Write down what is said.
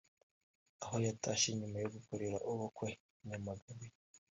aho yatashye nyuma yo gukorera ubukwe i Nyamagabe